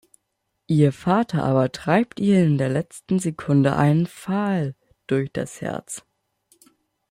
Ihr Vater aber treibt ihr in letzter Sekunde einen Pfahl durch das Herz.